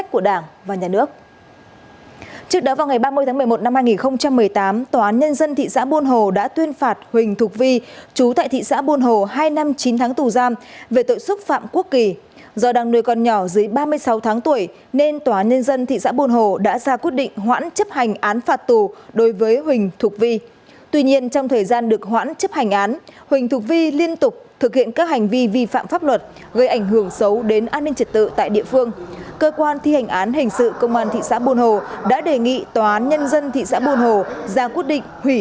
cơ quan thi hành án hình sự công an thị xã bồn hồ đã đề nghị tòa án nhân dân thị xã bồn hồ ra quyết định hủy quyết định hoãn chấp hành án đối với huỳnh thủ vi